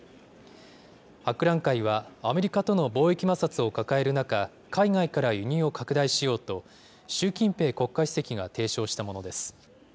博覧会は、アメリカとの貿易摩擦を抱える中、海外から輸入を拡大しようと、習近平国家主席が提唱したものです。